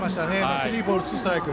スリーボール、ツーストライク。